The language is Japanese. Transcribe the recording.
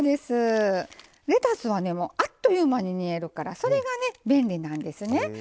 レタスは、あっという間に煮えるからそれが便利なんですね。